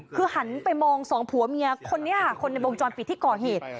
คือหันไปมองสองผัวเมียคนนี้ค่ะคนในวงจรปิดที่ก่อเหตุ